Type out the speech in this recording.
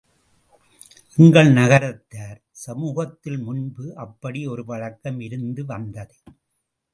எங்கள் நகரத்தார் சமூகத்தில் முன்பு அப்படி ஒரு வழக்கம் இருந்து வந்தது.